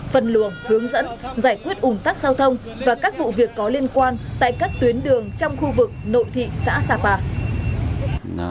phân luồng hướng dẫn giải quyết ủng tắc giao thông và các vụ việc có liên quan tại các tuyến đường trong khu vực nội thị xã sapa